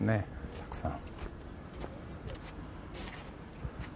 たくさん。